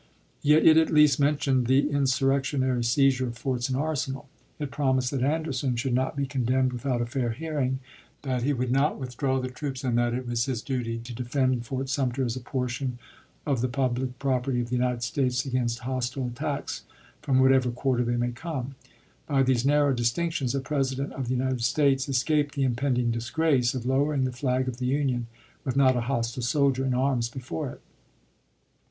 Yet it at least mentioned the insurrectionary seizure of forts and arsenal ; it promised that Anderson should not be condemned without a fair hearing; that he would not withdraw the troops ; and that it was his duty " to defend Fort Sumter as a portion of the public property of tocommis the United States against hostile attacks from what Dec.31,1860. W. R. Vol. ever quarter they may come." By these narrow dis L> p 118 tinctions, a President of the United States escaped the impending disgrace of lowering the flag of the Union with not a hostile soldier in arms before it.